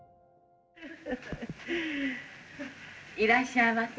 いらっしゃいませ。